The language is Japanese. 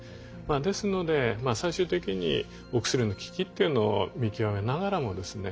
ですので最終的にお薬の効きっていうのを見極めながらもですね